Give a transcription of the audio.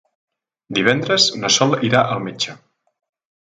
Divendres na Sol irà al metge.